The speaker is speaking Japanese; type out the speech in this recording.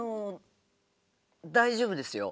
大丈夫ですよ。